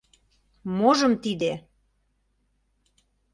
— Можым тиде?